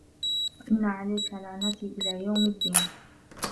وَإِنَّ عَلَيكَ لَعنَتي إِلى يَومِ الدّينِ